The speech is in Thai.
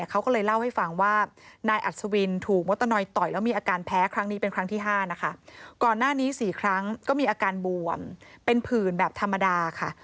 ก็มีอาการบวมเป็นผื่นแบบธรรมดาค่ะ